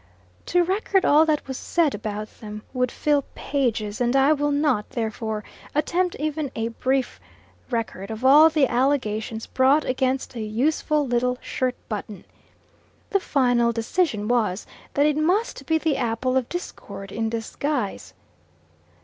To record all that was said about them would fill pages, and I will not, therefore, attempt even a brief record of all the allegations brought against the useful little shirt button. The final decision was, that it must be the Apple of Discord in disguise.